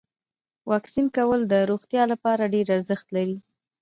واکسین کول د روغتیا لپاره ډیر ارزښت لري.